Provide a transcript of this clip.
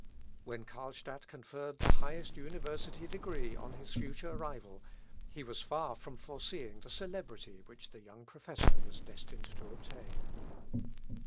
" When Carlstadt conferred the highest university degree on his future rival, he was far from foreseeing the celebrity which the young professor was destined to obtain.